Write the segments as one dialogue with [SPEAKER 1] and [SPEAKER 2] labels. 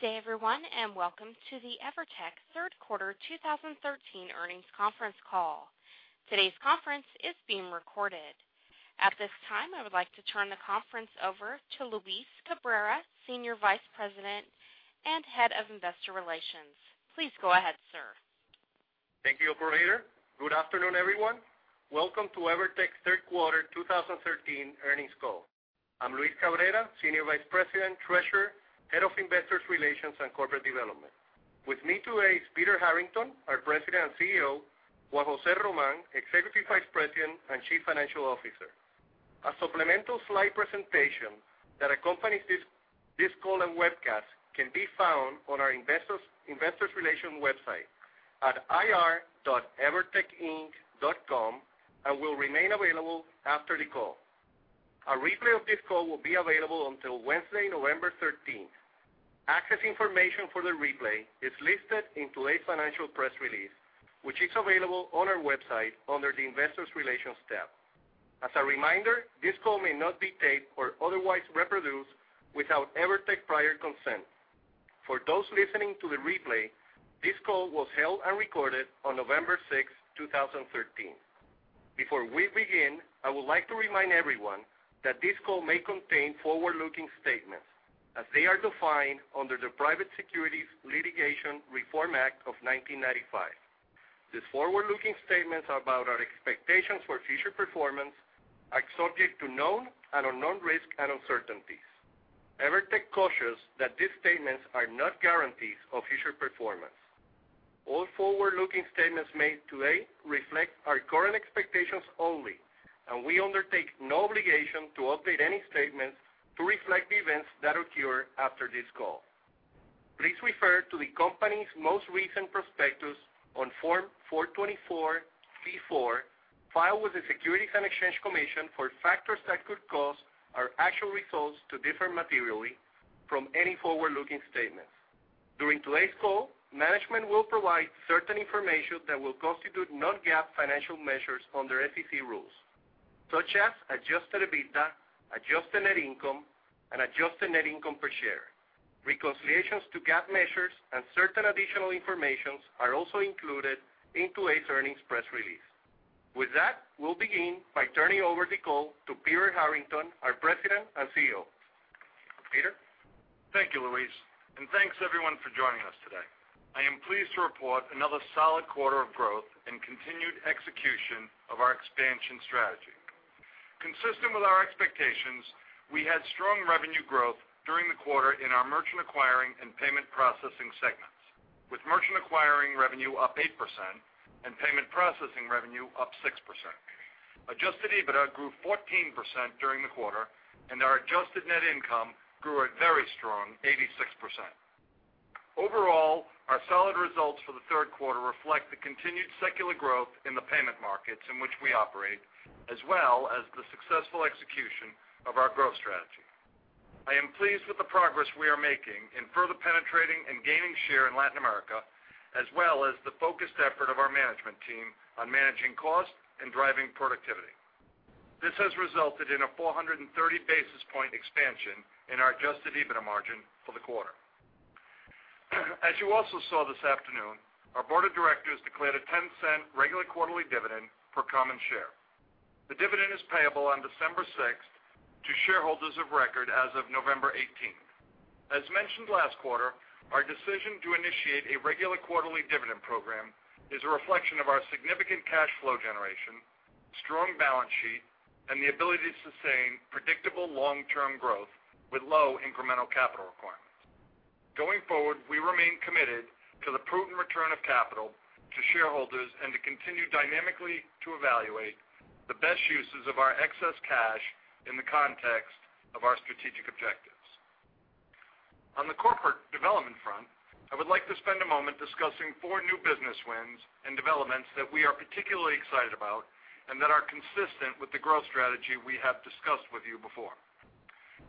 [SPEAKER 1] Good day everyone. Welcome to the EVERTEC third quarter 2013 earnings conference call. Today's conference is being recorded. At this time, I would like to turn the conference over to Luis Cabrera, Senior Vice President and Head of Investor Relations. Please go ahead, sir.
[SPEAKER 2] Thank you, operator. Good afternoon, everyone. Welcome to EVERTEC third quarter 2013 earnings call. I'm Luis Cabrera, Senior Vice President, Treasurer, Head of Investor Relations and Corporate Development. With me today is Peter Harrington, our President and CEO, Juan José Román, Executive Vice President and Chief Financial Officer. A supplemental slide presentation that accompanies this call and webcast can be found on our investor relations website at ir.evertecinc.com and will remain available after the call. A replay of this call will be available until Wednesday, November 13th. Access information for the replay is listed in today's financial press release, which is available on our website under the investor relations tab. As a reminder, this call may not be taped or otherwise reproduced without EVERTEC prior consent. For those listening to the replay, this call was held and recorded on November 6th, 2013. Before we begin, I would like to remind everyone that this call may contain forward-looking statements as they are defined under the Private Securities Litigation Reform Act of 1995. These forward-looking statements about our expectations for future performance are subject to known and unknown risks and uncertainties. EVERTEC cautions that these statements are not guarantees of future performance. All forward-looking statements made today reflect our current expectations only. We undertake no obligation to update any statements to reflect events that occur after this call. Please refer to the company's most recent prospectus on Form 424-B4 filed with the Securities and Exchange Commission for factors that could cause our actual results to differ materially from any forward-looking statements. During today's call, management will provide certain information that will constitute non-GAAP financial measures under SEC rules, such as adjusted EBITDA, adjusted net income, and adjusted net income per share. Reconciliations to GAAP measures and certain additional information are also included in today's earnings press release. With that, we'll begin by turning over the call to Peter Harrington, our President and CEO. Peter?
[SPEAKER 3] Thank you, Luis, and thanks everyone for joining us today. I am pleased to report another solid quarter of growth and continued execution of our expansion strategy. Consistent with our expectations, we had strong revenue growth during the quarter in our merchant acquiring and payment processing segments, with merchant acquiring revenue up 8% and payment processing revenue up 6%. Adjusted EBITDA grew 14% during the quarter, and our adjusted net income grew a very strong 86%. Overall, our solid results for the third quarter reflect the continued secular growth in the payment markets in which we operate, as well as the successful execution of our growth strategy. I am pleased with the progress we are making in further penetrating and gaining share in Latin America, as well as the focused effort of our management team on managing costs and driving productivity. This has resulted in a 430 basis point expansion in our adjusted EBITDA margin for the quarter. As you also saw this afternoon, our board of directors declared a $0.10 regular quarterly dividend per common share. The dividend is payable on December 6th to shareholders of record as of November 18th. As mentioned last quarter, our decision to initiate a regular quarterly dividend program is a reflection of our significant cash flow generation, strong balance sheet, and the ability to sustain predictable long-term growth with low incremental capital requirements. We remain committed to the prudent return of capital to shareholders and to continue dynamically to evaluate the best uses of our excess cash in the context of our strategic objectives. On the corporate development front, I would like to spend a moment discussing four new business wins and developments that we are particularly excited about and that are consistent with the growth strategy we have discussed with you before.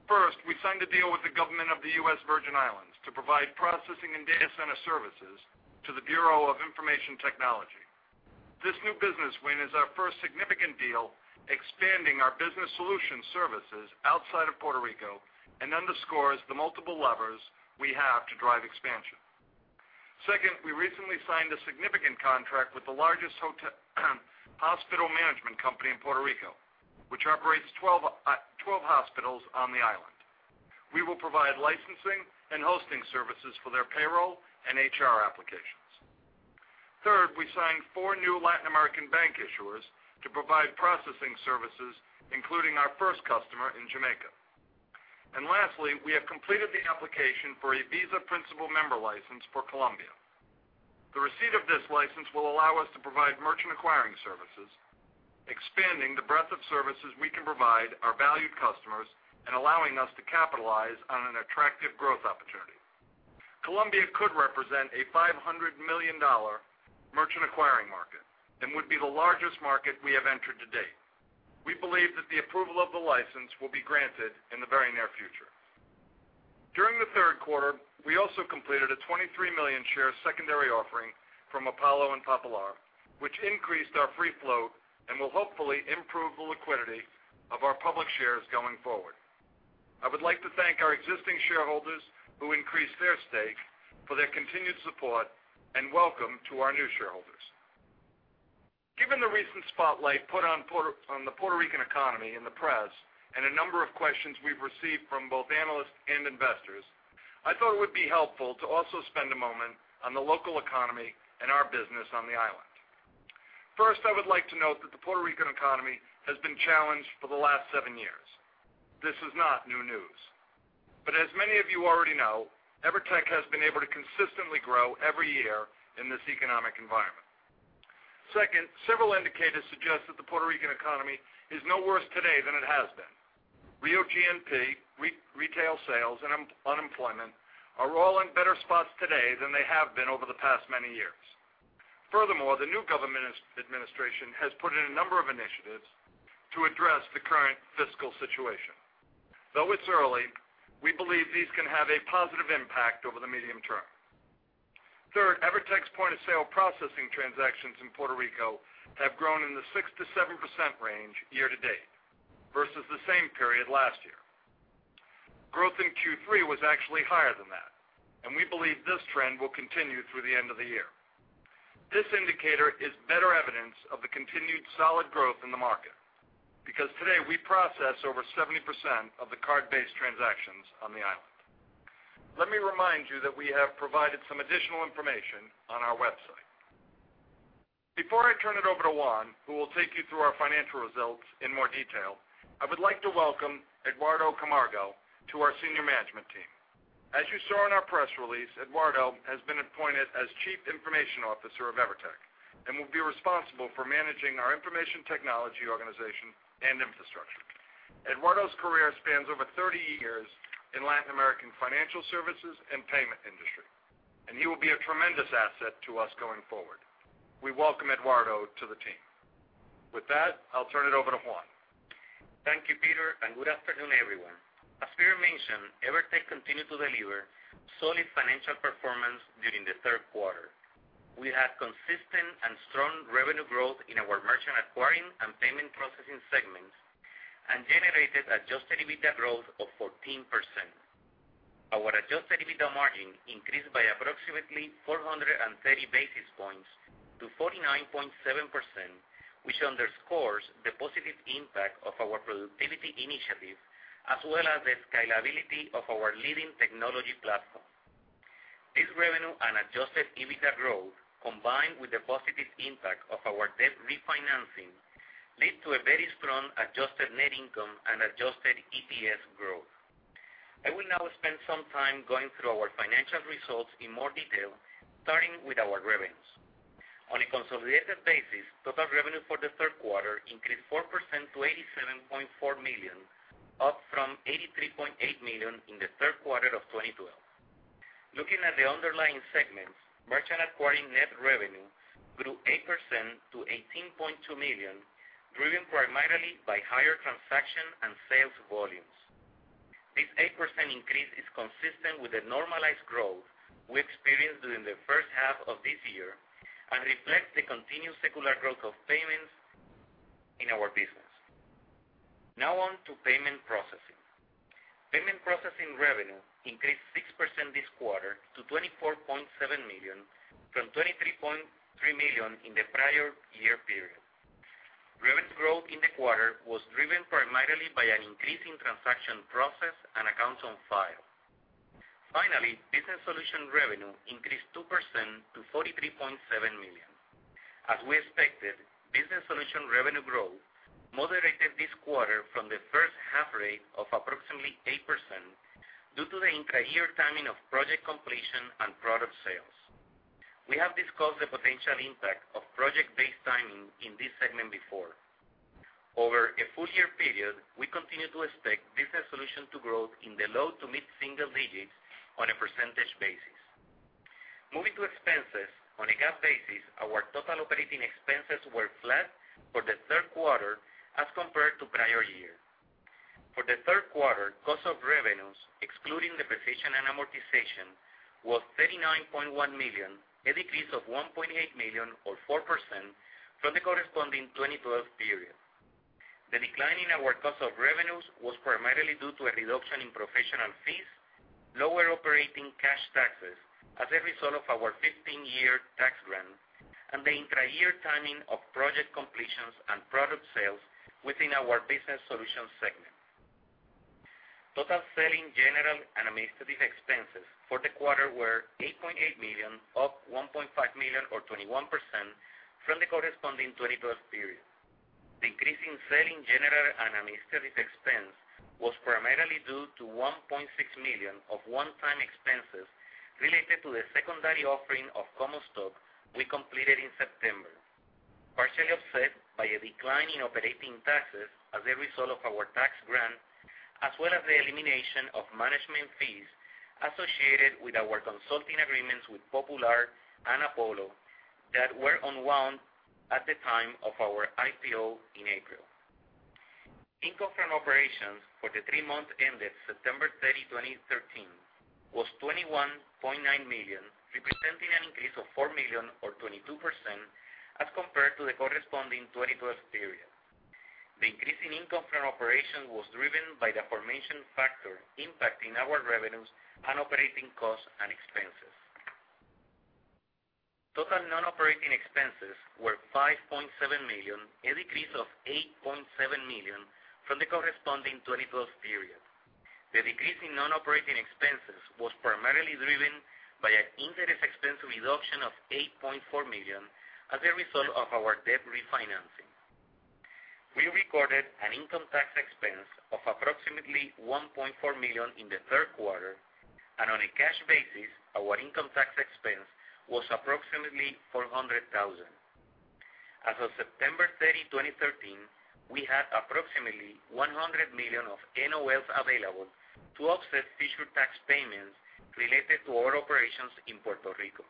[SPEAKER 3] First, we signed a deal with the government of the U.S. Virgin Islands to provide processing and data center services to the Bureau of Information Technology. This new business win is our first significant deal expanding our business solution services outside of Puerto Rico and underscores the multiple levers we have to drive expansion. Second, we recently signed a significant contract with the largest hospital management company in Puerto Rico, which operates 12 hospitals on the island. We will provide licensing and hosting services for their payroll and HR applications. Third, we signed four new Latin American bank issuers to provide processing services, including our first customer in Jamaica. Lastly, we have completed the application for a Visa principal member license for Colombia. The receipt of this license will allow us to provide merchant acquiring services, expanding the breadth of services we can provide our valued customers and allowing us to capitalize on an attractive growth opportunity. Colombia could represent a $500 million merchant acquiring market and would be the largest market we have entered to date. We believe that the approval of the license will be granted in the very near future. During the third quarter, we also completed a 23-million-share secondary offering from Apollo and Popular, which increased our free float and will hopefully improve the liquidity of our public shares going forward. I would like to thank our existing shareholders who increased their stake for their continued support, and welcome to our new shareholders. Given the recent spotlight put on the Puerto Rican economy in the press and a number of questions we've received from both analysts and investors, I thought it would be helpful to also spend a moment on the local economy and our business on the island. First, I would like to note that the Puerto Rican economy has been challenged for the last seven years. This is not new news. As many of you already know, EVERTEC has been able to consistently grow every year in this economic environment. Second, several indicators suggest that the Puerto Rican economy is no worse today than it has been. Real GNP, retail sales, and unemployment are all in better spots today than they have been over the past many years. Furthermore, the new government administration has put in a number of initiatives to address the current fiscal situation. Though it's early, we believe these can have a positive impact over the medium term. Third, EVERTEC's point-of-sale processing transactions in Puerto Rico have grown in the 6%-7% range year-to-date versus the same period last year. Growth in Q3 was actually higher than that, and we believe this trend will continue through the end of the year. This indicator is better evidence of the continued solid growth in the market, because today we process over 70% of the card-based transactions on the island. Let me remind you that we have provided some additional information on our website. Before I turn it over to Juan, who will take you through our financial results in more detail, I would like to welcome Eduardo Camargo to our senior management team. As you saw in our press release, Eduardo has been appointed as Chief Information Officer of EVERTEC and will be responsible for managing our information technology organization and infrastructure. Eduardo's career spans over 30 years in Latin American financial services and payment industry, and he will be a tremendous asset to us going forward. We welcome Eduardo to the team. With that, I'll turn it over to Juan.
[SPEAKER 4] Thank you, Peter, good afternoon, everyone. As Peter mentioned, EVERTEC continued to deliver solid financial performance during the third quarter. We had consistent and strong revenue growth in our merchant acquiring and payment processing segments and generated adjusted EBITDA growth of 14%. Our adjusted EBITDA margin increased by approximately 430 basis points to 49.7%, which underscores the positive impact of our productivity initiatives as well as the scalability of our leading technology platform. This revenue and adjusted EBITDA growth, combined with the positive impact of our debt refinancing, lead to a very strong adjusted net income and adjusted EPS growth. I will now spend some time going through our financial results in more detail, starting with our revenues. On a consolidated basis, total revenue for the third quarter increased 4% to $87.4 million, up from $83.8 million in the third quarter of 2012. Looking at the underlying segments, merchant acquiring net revenue grew 8% to $18.2 million, driven primarily by higher transaction and sales volumes. This 8% increase is consistent with the normalized growth we experienced during the first half of this year and reflects the continued secular growth of payments in our business. Now on to payment processing. Payment processing revenue increased 6% this quarter to $24.7 million from $23.3 million in the prior year period. Revenue growth in the quarter was driven primarily by an increase in transaction process and accounts on file. Finally, business solution revenue increased 2% to $43.7 million. As we expected, business solution revenue growth moderated this quarter from the first half rate of approximately 8% due to the intra-year timing of project completion and product sales. We have discussed the potential impact of project-based timing in this segment before. Over a full year period, we continue to expect business solution to grow in the low to mid-single digits on a percentage basis. Moving to expenses. On a GAAP basis, our total operating expenses were flat for the third quarter as compared to prior year. For the third quarter, cost of revenues, excluding depreciation and amortization, was $39.1 million, a decrease of $1.8 million or 4% from the corresponding 2012 period. The decline in our cost of revenues was primarily due to a reduction in professional fees, lower operating cash taxes as a result of our 15-year tax grant, and the intra-year timing of project completions and product sales within our business solution segment. Total selling, general, and administrative expenses for the quarter were $8.8 million, up $1.5 million or 21% from the corresponding 2012 period. The increase in selling, general, and administrative expense was primarily due to $1.6 million of one-time expenses related to the secondary offering of common stock we completed in September, partially offset by a decline in operating taxes as a result of our tax grant, as well as the elimination of management fees associated with our consulting agreements with Popular and Apollo that were unwound at the time of our IPO in April. Income from operations for the three months ended September 30, 2013 was $21.9 million, representing an increase of $4 million or 22% as compared to the corresponding 2012 period. The increase in income from operation was driven by the aforementioned factors impacting our revenues and operating costs and expenses. Total non-operating expenses were $5.7 million, a decrease of $8.7 million from the corresponding 2012 period. The decrease in non-operating expenses was primarily driven by an interest expense reduction of $8.4 million as a result of our debt refinancing. We recorded an income tax expense of approximately $1.4 million in the third quarter, and on a cash basis, our income tax expense was approximately $400,000. As of September 30, 2013, we had approximately $100 million of NOLs available to offset future tax payments related to our operations in Puerto Rico.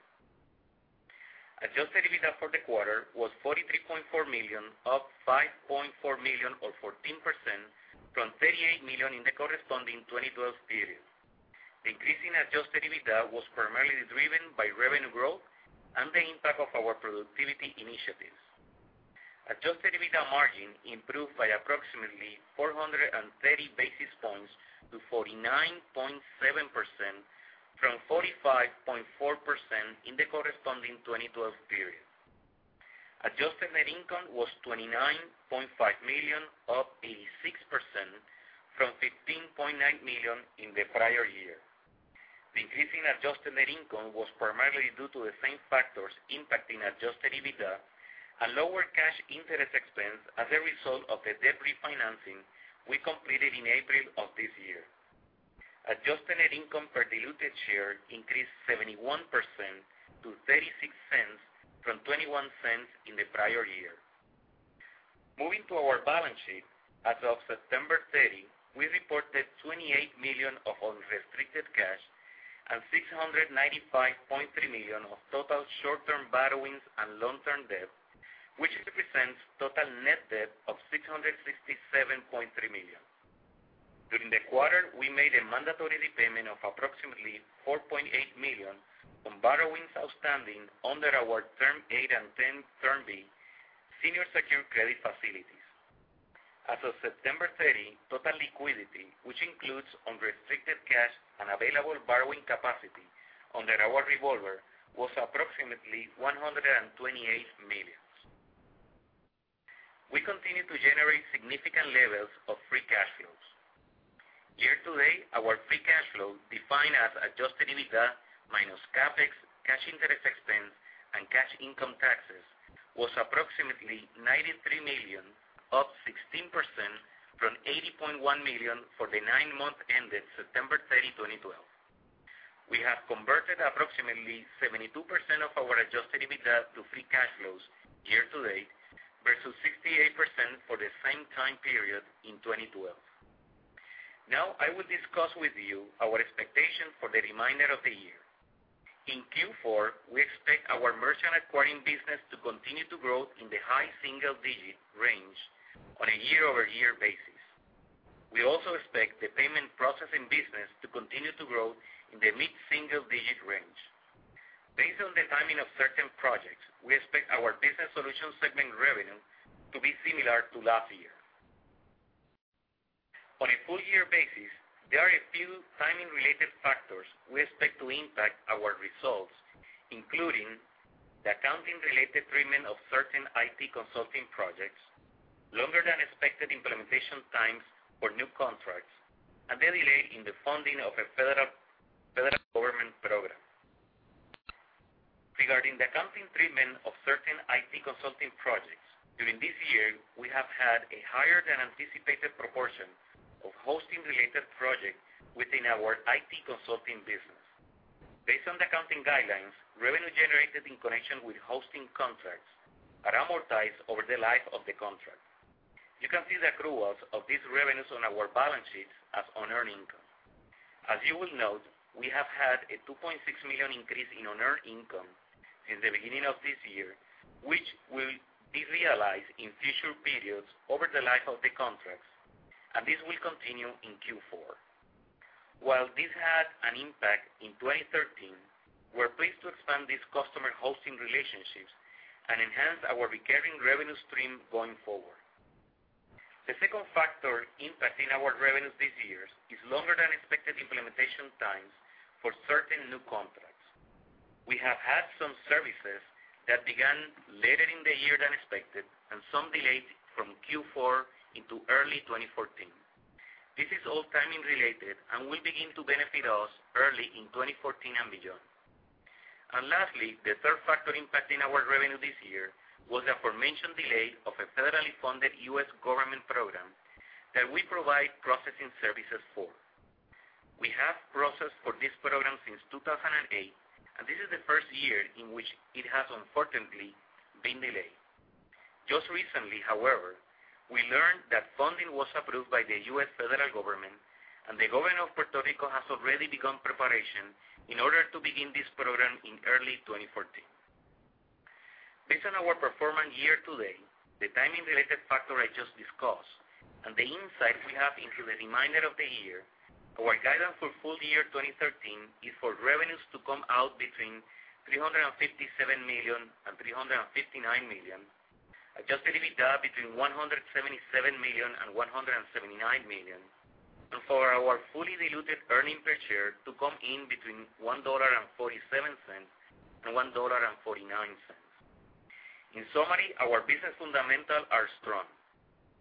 [SPEAKER 4] Adjusted EBITDA for the quarter was $43.4 million, up $5.4 million or 14% from $38 million in the corresponding 2012 period. The increase in adjusted EBITDA was primarily driven by revenue growth and the impact of our productivity initiatives. Adjusted EBITDA margin improved by approximately 430 basis points to 49.7%, from 45.4% in the corresponding 2012 period. Adjusted net income was $29.5 million, up 86% from $15.9 million in the prior year. The increase in adjusted net income was primarily due to the same factors impacting adjusted EBITDA and lower cash interest expense as a result of the debt refinancing we completed in April of this year. Adjusted net income per diluted share increased 71% to $0.36 from $0.21 in the prior year. Moving to our balance sheet. As of September 30, we reported $28 million of unrestricted cash and $695.3 million of total short-term borrowings and long-term debt, which represents total net debt of $667.3 million. During the quarter, we made a mandatory repayment of approximately $4.8 million from borrowings outstanding under our Term A and Term B senior secured credit facilities. As of September 30, total liquidity, which includes unrestricted cash and available borrowing capacity under our revolver, was approximately $128 million. We continue to generate significant levels of free cash flows. Year to date, our free cash flow, defined as adjusted EBITDA minus CapEx, cash interest expense, and cash income taxes, was approximately $93 million, up 16% from $80.1 million for the nine months ended September 30, 2012. We have converted approximately 72% of our adjusted EBITDA to free cash flows year to date versus 68% for the same time period in 2012. I will discuss with you our expectations for the remainder of the year. In Q4, we expect our merchant acquiring business to continue to grow in the high single-digit range on a year-over-year basis. We also expect the payment processing business to continue to grow in the mid-single-digit range. Based on the timing of certain projects, we expect our business solution segment revenue to be similar to last year. On a full-year basis, there are a few timing-related factors we expect to impact our results, including the accounting-related treatment of certain IT consulting projects, longer than expected implementation times for new contracts, and the delay in the funding of a federal government program. Regarding the accounting treatment of certain IT consulting projects, during this year, we have had a higher than anticipated proportion of hosting-related projects within our IT consulting business. Based on the accounting guidelines, revenue generated in connection with hosting contracts are amortized over the life of the contract. You can see the accruals of these revenues on our balance sheet as unearned income. As you will note, we have had a $2.6 million increase in unearned income since the beginning of this year, which will be realized in future periods over the life of the contracts, and this will continue in Q4. While this had an impact in 2013, we're pleased to expand these customer hosting relationships and enhance our recurring revenue stream going forward. The second factor impacting our revenues this year is longer than expected implementation times for certain new contracts. We have had some services that began later in the year than expected and some delays from Q4 into early 2014. This is all timing related and will begin to benefit us early in 2014 and beyond. Lastly, the third factor impacting our revenue this year was the aforementioned delay of a federally funded U.S. government program that we provide processing services for. We have processed for this program since 2008, and this is the first year in which it has unfortunately been delayed. Just recently, however, we learned that funding was approved by the U.S. federal government, and the governor of Puerto Rico has already begun preparation in order to begin this program in early 2014. Based on our performance year-to-date, the timing-related factor I just discussed, and the insight we have into the remainder of the year, our guidance for full year 2013 is for revenues to come out between $357 million and $359 million, adjusted EBITDA between $177 million and $179 million, and for our fully diluted earnings per share to come in between $1.47 and $1.49. In summary, our business fundamentals are strong.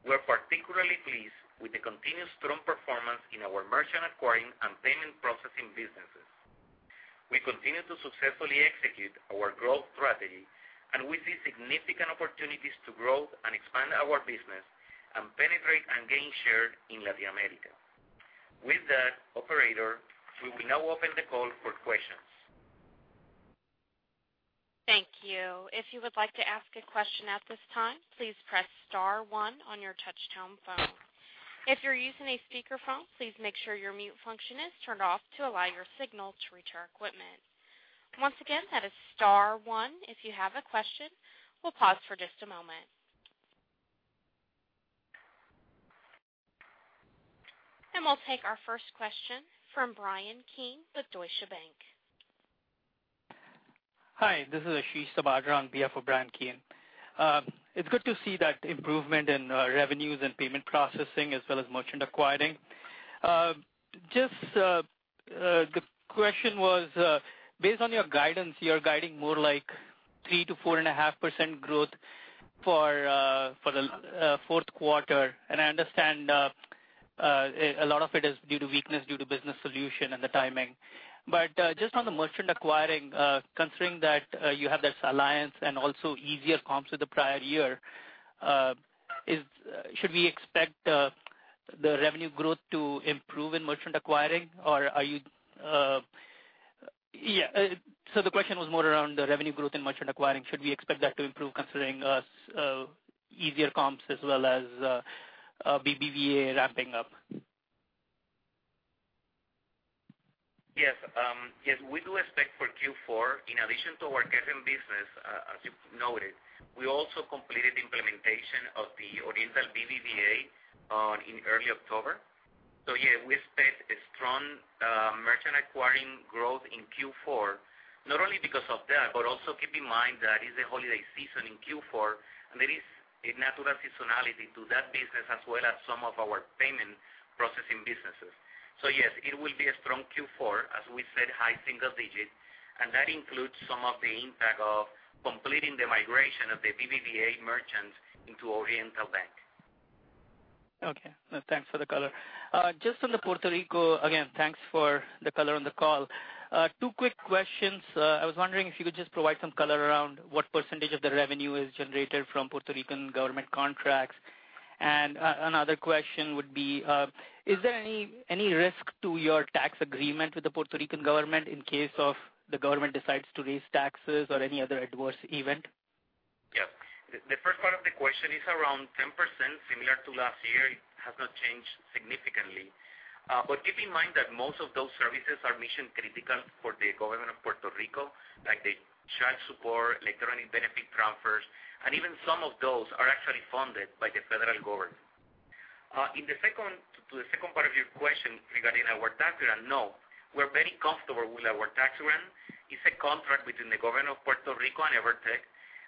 [SPEAKER 4] We are particularly pleased with the continued strong performance in our merchant acquiring and payment processing businesses. We continue to successfully execute our growth strategy, and we see significant opportunities to grow and expand our business and penetrate and gain share in Latin America. With that, operator, we will now open the call for questions.
[SPEAKER 1] Thank you. If you would like to ask a question at this time, please press *1 on your touch-tone phone. If you're using a speakerphone, please make sure your mute function is turned off to allow your signal to reach our equipment. Once again, that is *1 if you have a question. We'll pause for just a moment. We'll take our first question from Bryan Keane with Deutsche Bank.
[SPEAKER 5] Hi, this is Ashish Sabadra on behalf of Bryan Keane. It's good to see that improvement in revenues and payment processing as well as merchant acquiring. Just the question was, based on your guidance, you're guiding more like 3%-4.5% growth for the fourth quarter. I understand a lot of it is due to weakness due to business solution and the timing. Just on the merchant acquiring, considering that you have this alliance and also easier comps with the prior year, should we expect the revenue growth to improve in merchant acquiring? The question was more around the revenue growth in merchant acquiring. Should we expect that to improve considering easier comps as well as BBVA wrapping up?
[SPEAKER 4] Yes. We do expect for Q4, in addition to our cash-in business, as you noted, we also completed implementation of the Oriental BBVA in early October. Yes, we expect a strong merchant acquiring growth in Q4, not only because of that, but also keep in mind that it's a holiday season in Q4, and there is a natural seasonality to that business as well as some of our payment processing businesses. Yes, it will be a strong Q4, as we said, high single digits, and that includes some of the impact of completing the migration of the BBVA merchants into Oriental Bank.
[SPEAKER 5] Okay. Thanks for the color. Just on the Puerto Rico, again, thanks for the color on the call. Two quick questions. I was wondering if you could just provide some color around what % of the revenue is generated from Puerto Rican government contracts. Another question would be, is there any risk to your tax agreement with the Puerto Rican government in case of the government decides to raise taxes or any other adverse event?
[SPEAKER 4] Yes. The first part of the question is around 10%, similar to last year. It has not changed significantly. Keep in mind that most of those services are mission-critical for the government of Puerto Rico, like the child support, electronic benefit transfers, and even some of those are actually funded by the federal government. To the second part of your question regarding our tax grant, no. We're very comfortable with our tax grant. It's a contract between the government of Puerto Rico and EVERTEC,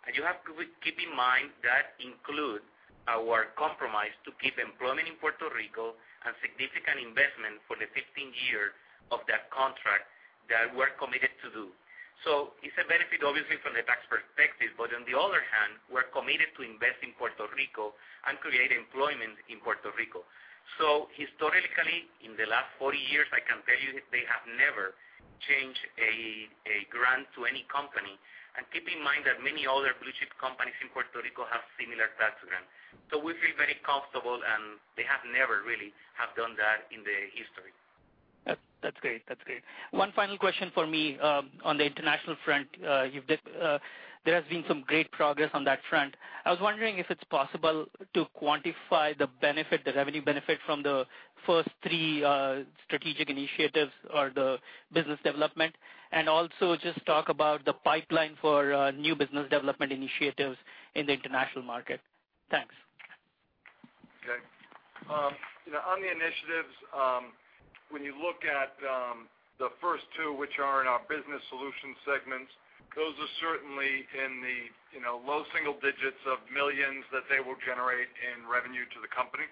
[SPEAKER 4] and you have to keep in mind that includes our compromise to keep employment in Puerto Rico and significant investment for the 15 years of that contract that we're committed to do. It's a benefit, obviously, from the tax perspective. On the other hand, we're committed to invest in Puerto Rico and create employment in Puerto Rico. Historically, in the last 40 years, I can tell you they have never changed a grant to any company. Keep in mind that many other blue-chip companies in Puerto Rico have similar tax grants. We feel very comfortable, and they have never really have done that in their history.
[SPEAKER 5] That's great. One final question from me. On the international front, there has been some great progress on that front. I was wondering if it's possible to quantify the revenue benefit from the first three strategic initiatives or the business development, and also just talk about the pipeline for new business development initiatives in the international market. Thanks.
[SPEAKER 3] Okay. On the initiatives, when you look at the first two, which are in our business solution segments, those are certainly in the low single digits of $millions that they will generate in revenue to the company.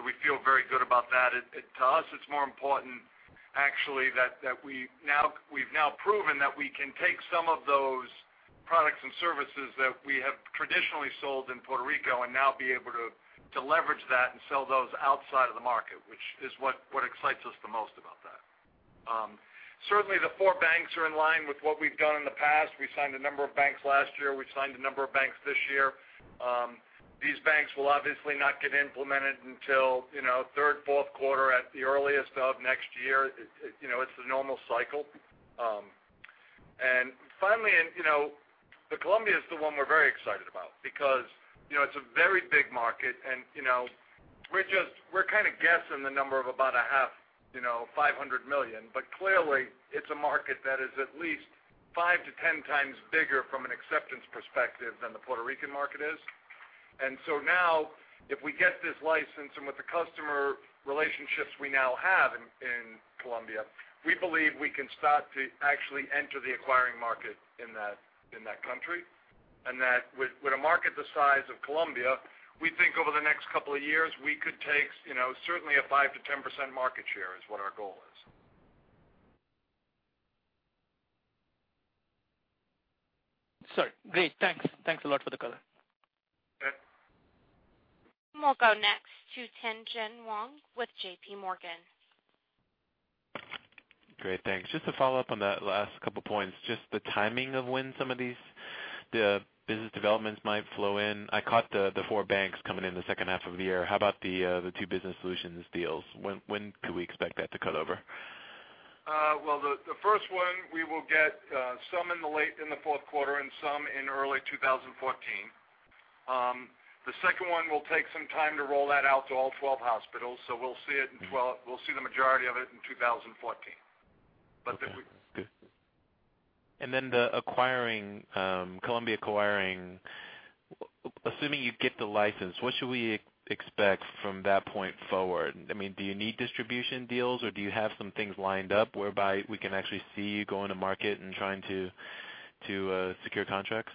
[SPEAKER 3] We feel very good about that. To us, it's more important actually that we've now proven that we can take some of those products and services that we have traditionally sold in Puerto Rico and now be able to leverage that and sell those outside of the market, which is what excites us the most about that. Certainly, the four banks are in line with what we've done in the past. We signed a number of banks last year. We signed a number of banks this year. These banks will obviously not get implemented until third, fourth quarter at the earliest of next year. It's the normal cycle. Finally, the Colombia is the one we're very excited about because it's a very big market. We're kind of guessing the number of about a half, $500 million. Clearly, it's a market that is at least 5 to 10 times bigger from an acceptance perspective than the Puerto Rican market is. Now, if we get this license and with the customer relationships we now have in Colombia, we believe we can start to actually enter the acquiring market in that country. With a market the size of Colombia, we think over the next couple of years, we could take certainly a 5%-10% market share, is what our goal is.
[SPEAKER 5] Sir. Great. Thanks. Thanks a lot for the color.
[SPEAKER 3] Good.
[SPEAKER 1] We'll go next to Tien-tsin Huang with J.P. Morgan.
[SPEAKER 6] Great. Thanks. Just to follow up on that last couple points, just the timing of when some of these business developments might flow in. I caught the four banks coming in the second half of the year. How about the two business solutions deals? When could we expect that to cut over?
[SPEAKER 3] The first one, we will get some in the fourth quarter and some in early 2014. The second one will take some time to roll that out to all 12 hospitals. We'll see the majority of it in 2014.
[SPEAKER 6] Okay, good. Then the Colombia acquiring, assuming you get the license, what should we expect from that point forward? Do you need distribution deals, or do you have some things lined up whereby we can actually see you going to market and trying to secure contracts?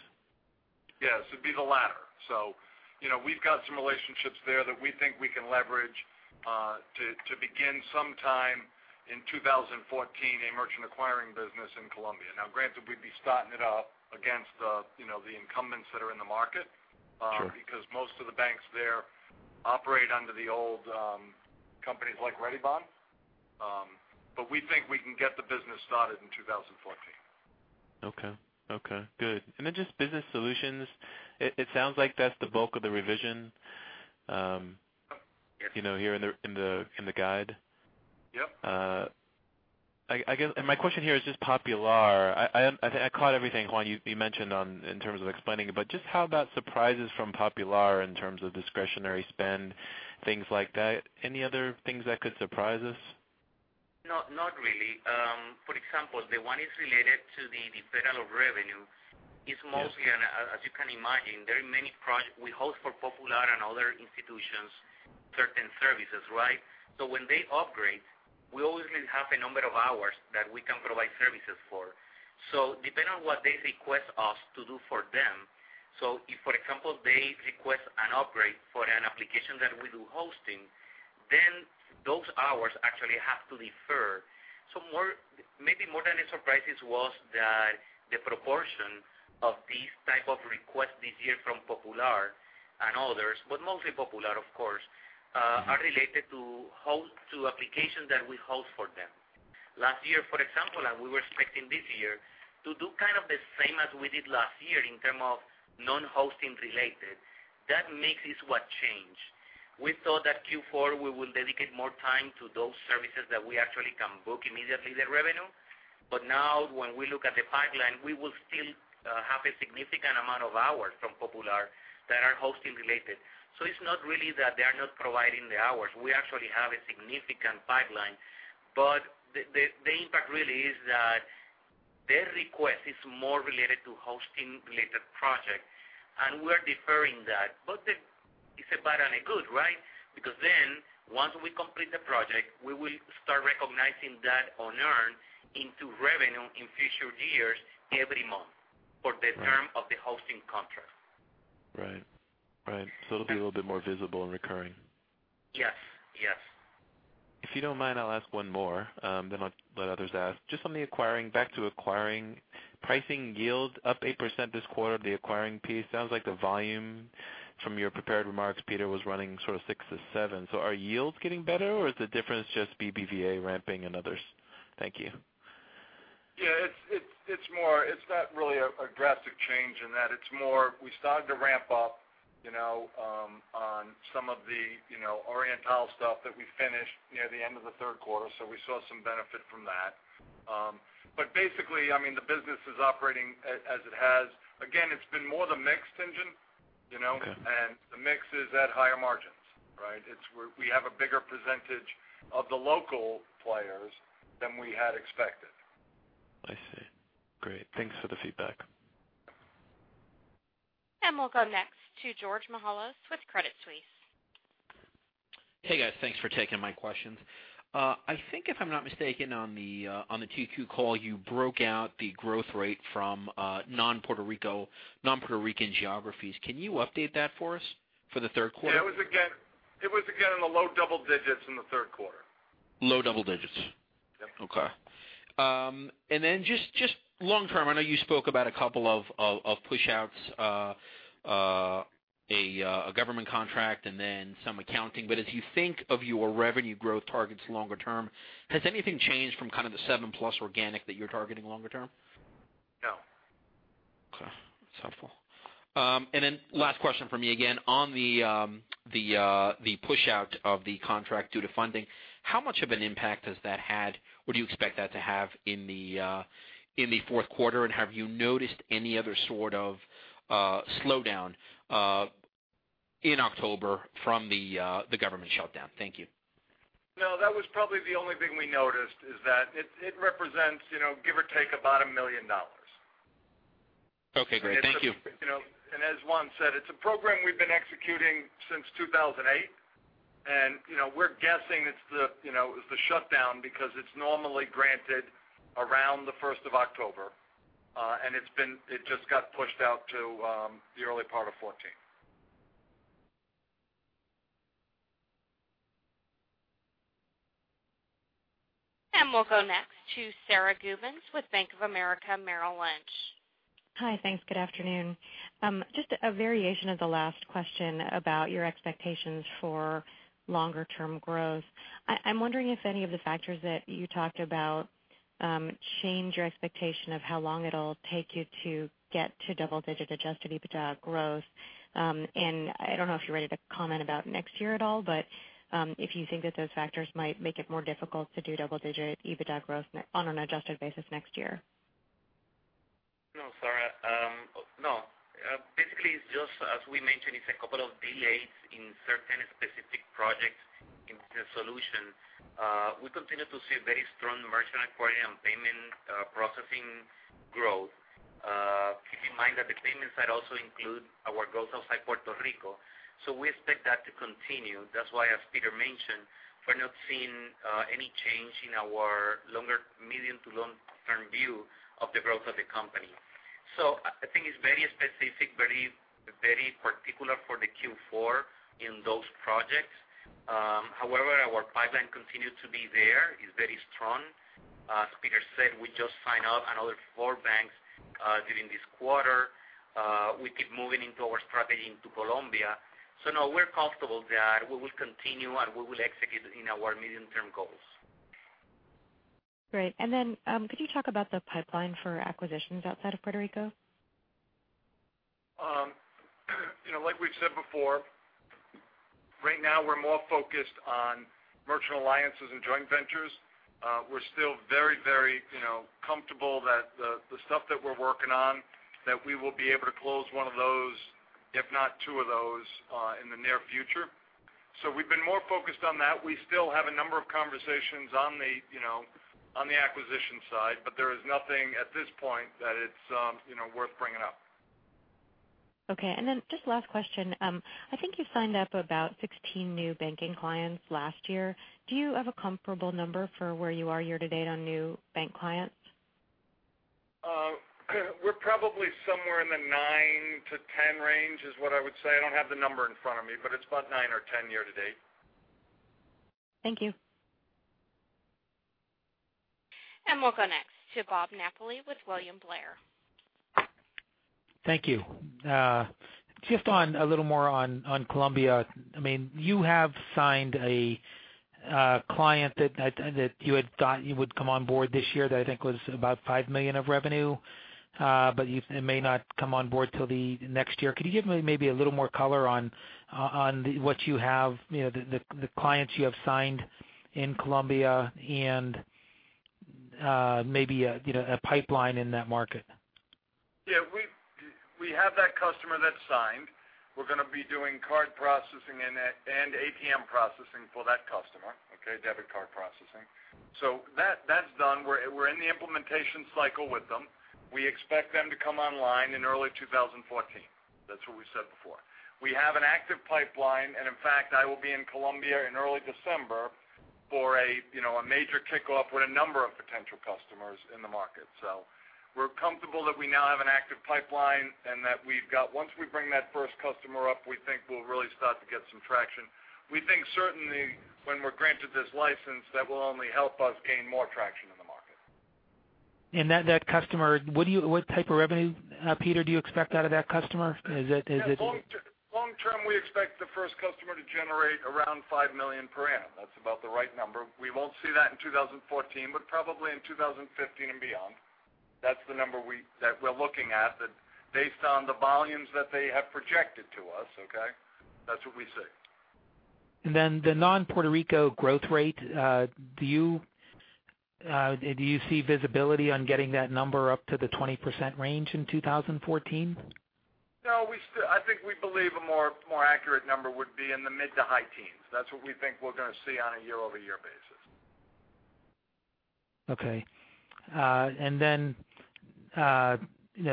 [SPEAKER 3] Yes, it'd be the latter. We've got some relationships there that we think we can leverage to begin sometime in 2014, a merchant acquiring business in Colombia. Now, granted, we'd be starting it up against the incumbents that are in the market-
[SPEAKER 6] Sure
[SPEAKER 3] because most of the banks there operate under the old companies like Redeban. We think we can get the business started in 2014.
[SPEAKER 6] Okay. Good. Then just business solutions. It sounds like that's the bulk of the revision here in the guide.
[SPEAKER 3] Yep.
[SPEAKER 6] My question here is just Popular. I caught everything, Juan, you mentioned in terms of explaining it, but just how about surprises from Popular in terms of discretionary spend, things like that? Any other things that could surprise us?
[SPEAKER 4] Not really. For example, the one is related to the federal revenue. It's mostly, and as you can imagine, we host for Popular and other institutions, certain services, right? When they upgrade, we always will have a number of hours that we can provide services for. Depending on what they request us to do for them. If, for example, they request an upgrade for an application that we do hosting, then those hours actually have to defer. Maybe more than the surprises was that the proportion of these type of requests this year from Popular and others, but mostly Popular, of course, are related to applications that we host for them. Last year, for example, and we were expecting this year to do kind of the same as we did last year in term of non-hosting related. That makes this what changed. We thought that Q4 we will dedicate more time to those services that we actually can book immediately the revenue. Now when we look at the pipeline, we will still have a significant amount of hours from Popular that are hosting related. It's not really that they are not providing the hours. We actually have a significant pipeline, the impact really is that their request is more related to hosting related project, and we're deferring that. It's a bad and a good, right? Because then once we complete the project, we will start recognizing that unearn into revenue in future years, every month for the term of the hosting contract.
[SPEAKER 6] Right. It'll be a little bit more visible and recurring.
[SPEAKER 4] Yes.
[SPEAKER 6] If you don't mind, I'll ask one more, then I'll let others ask. Just on the acquiring, back to acquiring. Pricing yield up 8% this quarter. The acquiring piece sounds like the volume from your prepared remarks, Peter, was running sort of six to seven. Are yields getting better, or is the difference just BBVA ramping and others? Thank you.
[SPEAKER 3] Yeah, it's not really a drastic change in that. It's more we started to ramp up on some of the Oriental stuff that we finished near the end of the third quarter. We saw some benefit from that. Basically, the business is operating as it has. Again, it's been more the mix engine.
[SPEAKER 6] Okay.
[SPEAKER 3] The mix is at higher margins, right? We have a bigger percentage of the local players than we had expected.
[SPEAKER 6] I see. Great. Thanks for the feedback.
[SPEAKER 1] We'll go next to George Mihalos with Credit Suisse.
[SPEAKER 7] Hey, guys. Thanks for taking my questions. I think if I'm not mistaken, on the Q2 call, you broke out the growth rate from non-Puerto Rican geographies. Can you update that for us for the third quarter?
[SPEAKER 3] Yeah, it was again in the low double digits in the third quarter.
[SPEAKER 7] Low double digits?
[SPEAKER 3] Yep.
[SPEAKER 7] Okay. Just long-term, I know you spoke about a couple of push-outs, a government contract, and then some accounting. As you think of your revenue growth targets longer term, has anything changed from kind of the 7+ organic that you're targeting longer term?
[SPEAKER 3] No.
[SPEAKER 7] Okay. That's helpful. Last question for me, again, on the push-out of the contract due to funding, how much of an impact has that had or do you expect that to have in the fourth quarter? Have you noticed any other sort of slowdown in October from the government shutdown? Thank you.
[SPEAKER 3] No, that was probably the only thing we noticed, is that it represents give or take about $1 million.
[SPEAKER 7] Okay, great. Thank you.
[SPEAKER 3] As Juan said, it's a program we've been executing since 2008, and we're guessing it's the shutdown because it's normally granted around the first of October. It just got pushed out to the early part of 2014.
[SPEAKER 1] We'll go next to Sara Gubins with Bank of America Merrill Lynch.
[SPEAKER 8] Hi. Thanks. Good afternoon. Just a variation of the last question about your expectations for longer term growth. I'm wondering if any of the factors that you talked about change your expectation of how long it'll take you to get to double-digit adjusted EBITDA growth. I don't know if you're ready to comment about next year at all, but if you think that those factors might make it more difficult to do double-digit EBITDA growth on an adjusted basis next year.
[SPEAKER 4] No, Sara. No. Basically, it's just as we mentioned, it's a couple of delays in certain specific projects in solutions. We continue to see very strong merchant acquiring and payment processing growth. Keep in mind that the payment side also includes our growth outside Puerto Rico, so we expect that to continue. That's why, as Peter mentioned, we're not seeing any change in our medium to long-term view of the growth of the company. I think it's very specific, very particular for the Q4 in those projects. However, our pipeline continues to be there. It's very strong. As Peter said, we just signed up another four banks during this quarter. We keep moving into our strategy into Colombia. No, we're comfortable there. We will continue, and we will execute in our medium-term goals.
[SPEAKER 8] Great. Then, could you talk about the pipeline for acquisitions outside of Puerto Rico?
[SPEAKER 3] Like we've said before, right now we're more focused on merchant alliances and joint ventures. We're still very comfortable that the stuff that we're working on, that we will be able to close one of those, if not two of those, in the near future. We've been more focused on that. We still have a number of conversations on the acquisition side, but there is nothing at this point that it's worth bringing up.
[SPEAKER 8] Okay. Just last question. I think you signed up about 16 new banking clients last year. Do you have a comparable number for where you are year-to-date on new bank clients?
[SPEAKER 3] We're probably somewhere in the nine to 10 range, is what I would say. I don't have the number in front of me, but it's about nine or 10 year-to-date.
[SPEAKER 8] Thank you.
[SPEAKER 1] We'll go next to Bob Napoli with William Blair.
[SPEAKER 9] Thank you. Just a little more on Colombia. You have signed a client that you had thought you would come on board this year that I think was about $5 million of revenue. It may not come on board till the next year. Could you give me maybe a little more color on what you have, the clients you have signed in Colombia and maybe a pipeline in that market?
[SPEAKER 3] Yeah. We have that customer that's signed. We're going to be doing card processing and ATM processing for that customer. Okay. Debit card processing. That's done. We're in the implementation cycle with them. We expect them to come online in early 2014. That's what we said before. We have an active pipeline, and in fact, I will be in Colombia in early December for a major kickoff with a number of potential customers in the market. We're comfortable that we now have an active pipeline and that once we bring that first customer up, we think we'll really start to get some traction. We think certainly when we're granted this license, that will only help us gain more traction in the market.
[SPEAKER 9] That customer, what type of revenue, Peter, do you expect out of that customer?
[SPEAKER 3] Long-term, we expect the first customer to generate around $5 million per annum. That's about the right number. We won't see that in 2014, but probably in 2015 and beyond. That's the number that we're looking at, that based on the volumes that they have projected to us, okay? That's what we see.
[SPEAKER 9] The non-Puerto Rico growth rate, do you see visibility on getting that number up to the 20% range in 2014?
[SPEAKER 3] No. I think we believe a more accurate number would be in the mid to high teens. That's what we think we're going to see on a year-over-year basis.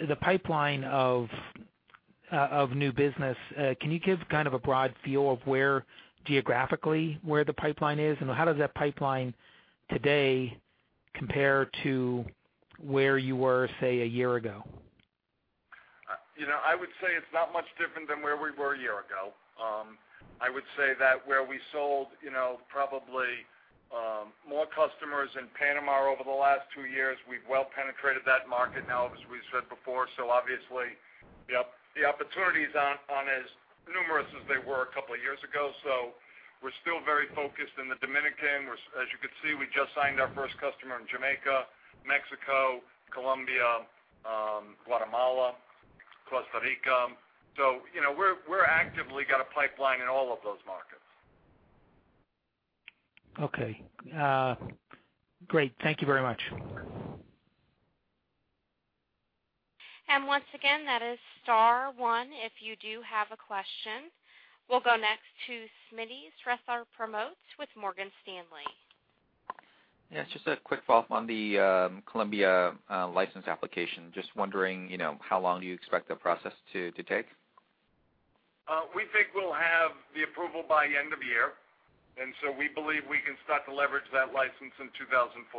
[SPEAKER 9] Okay. The pipeline of new business, can you give kind of a broad feel of where geographically where the pipeline is, and how does that pipeline today compare to where you were, say, a year ago?
[SPEAKER 3] I would say it's not much different than where we were a year ago. I would say that where we sold probably more customers in Panama over the last two years, we've well penetrated that market now, as we've said before. Obviously, the opportunities aren't as numerous as they were a couple of years ago. We're still very focused in the Dominican. As you could see, we just signed our first customer in Jamaica, Mexico, Colombia, Guatemala, Costa Rica. We actively got a pipeline in all of those markets.
[SPEAKER 9] Okay. Great. Thank you very much.
[SPEAKER 1] Once again, that is star one if you do have a question. We'll go next to Smittipon Srethapramote with Morgan Stanley.
[SPEAKER 10] Yeah, just a quick follow-up on the Colombia license application. Just wondering, how long do you expect the process to take?
[SPEAKER 3] We think we'll have the approval by end of year, we believe we can start to leverage that license in 2014.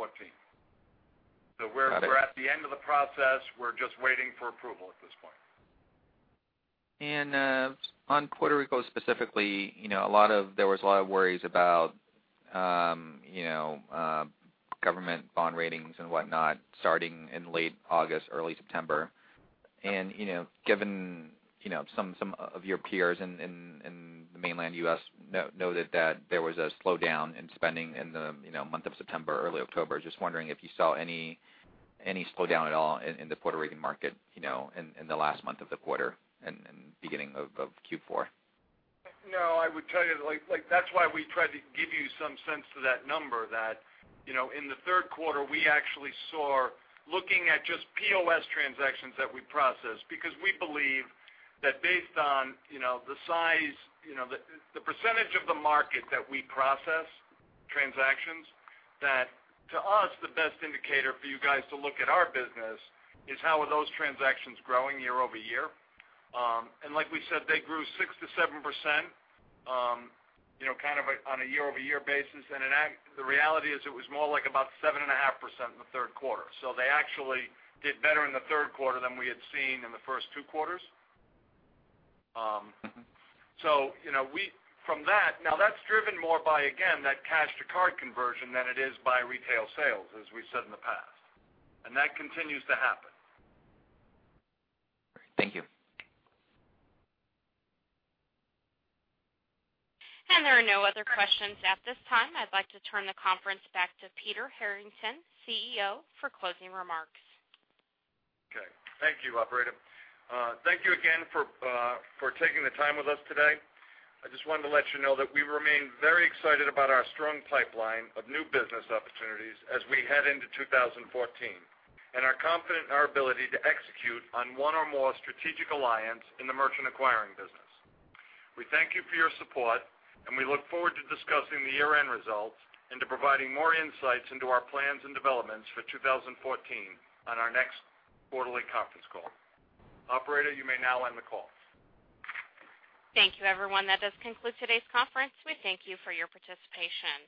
[SPEAKER 10] Got it.
[SPEAKER 3] We're at the end of the process. We're just waiting for approval at this point.
[SPEAKER 10] On Puerto Rico specifically, there was a lot of worries about government bond ratings and whatnot starting in late August, early September. Given some of your peers in the mainland U.S. noted that there was a slowdown in spending in the month of September, early October. Just wondering if you saw any slowdown at all in the Puerto Rican market in the last month of the quarter and beginning of Q4.
[SPEAKER 3] I would tell you, that's why we tried to give you some sense to that number that, in the third quarter, we actually saw, looking at just POS transactions that we processed. We believe that based on the percentage of the market that we process transactions, that to us, the best indicator for you guys to look at our business is how are those transactions growing year-over-year. Like we said, they grew 6%-7% on a year-over-year basis. The reality is it was more like about 7.5% in the third quarter. They actually did better in the third quarter than we had seen in the first two quarters. That's driven more by, again, that cash to card conversion than it is by retail sales, as we've said in the past. That continues to happen.
[SPEAKER 10] Thank you.
[SPEAKER 1] There are no other questions at this time. I'd like to turn the conference back to Peter Harrington, CEO, for closing remarks.
[SPEAKER 3] Okay. Thank you, operator. Thank you again for taking the time with us today. I just wanted to let you know that we remain very excited about our strong pipeline of new business opportunities as we head into 2014 and are confident in our ability to execute on one or more strategic alliance in the merchant acquiring business. We thank you for your support, and we look forward to discussing the year-end results and to providing more insights into our plans and developments for 2014 on our next quarterly conference call. Operator, you may now end the call.
[SPEAKER 1] Thank you, everyone. That does conclude today's conference. We thank you for your participation.